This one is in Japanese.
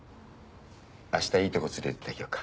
あしたいいとこ連れてってあげようか。